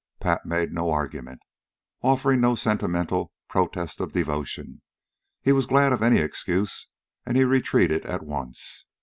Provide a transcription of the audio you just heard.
Pat made no argument, offered no sentimental protest of devotion. He was glad of any excuse, and he retreated at once.